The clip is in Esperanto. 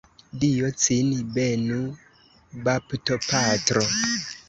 Dio cin benu, baptopatro!